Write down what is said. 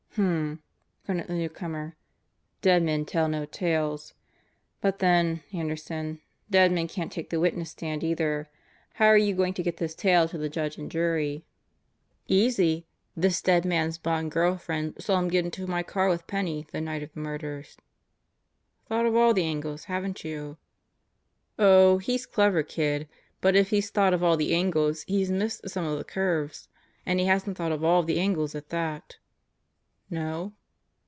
"Hmmm," grunted the newcomer. "Dead men tell no tales. But then, Anderson, dead men can't take the witness stand either. How are you going to get this tale to the judge and jury?" 84 God Goes to Murderer's Row "Easy. This dead man's blonde girl friend saw him get into my car with Penney the night of the murders." "Thought of all the angles, haven't you?" "Oh, he's clever, kid. But if he's thought of all the angles, he's missed some of the curves. And he hasn't thought of all the angles at that." "No?"